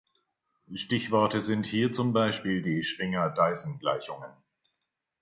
Stichworte sind hier zum Beispiel die Schwinger-Dyson-Gleichungen.